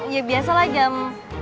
ya biasalah jam